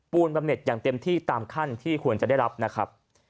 บำเน็ตอย่างเต็มที่ตามขั้นที่ควรจะได้รับนะครับ